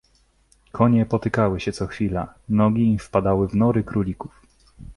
"Konie potykały się co chwila, nogi im wpadały w nory królików."